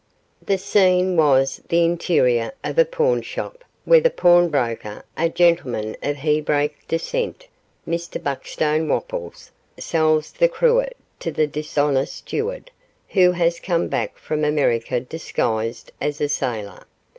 The scene was the interior of a pawnshop, where the pawnbroker, a gentleman of Hebraic descent (Mr Buckstone Wopples), sells the cruet to the dishonest steward, who has come back from America disguised as a sailor.